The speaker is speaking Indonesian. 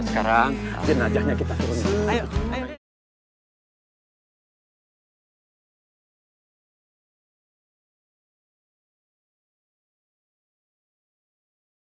sekarang jenajahnya kita turun